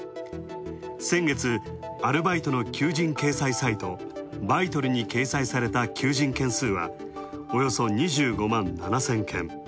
先月、アルバイトの求人掲載サイト、バイトルに掲載された求人件数はおよそ２５万７０００件。